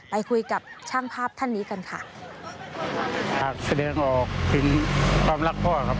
ไปคุยกับช่างภาพท่านนี้กันค่ะ